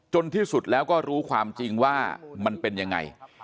ที่สุดแล้วก็รู้ความจริงว่ามันเป็นยังไง